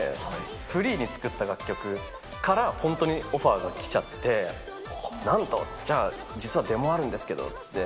フリーに作った楽曲から、本当にオファーが来ちゃって、なんと、じゃあ、実はデモあるんですけどって言って。